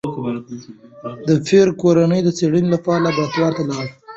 پېیر کوري د څېړنې لپاره لابراتوار ته لاړ.